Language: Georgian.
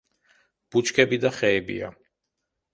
ბუჩქები და ხეებია.